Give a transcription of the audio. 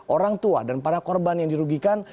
orang tua dan para korban yang dirugikan